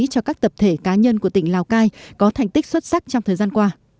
cho các tập thể cá nhân của tỉnh lào cai có thành tích xuất sắc trong thời gian qua